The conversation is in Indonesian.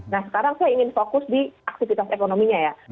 nah sekarang saya ingin fokus di aktivitas ekonominya ya